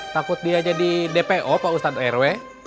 takut dia jadi dpo pak ustadz rw